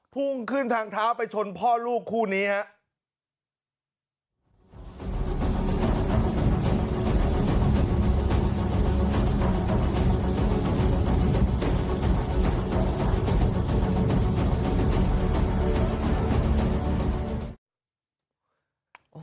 พุ่งขึ้นทางเท้าไปชนพ่อลูกคู่นี้ครับ